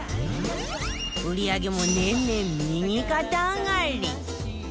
売り上げも年々右肩上がり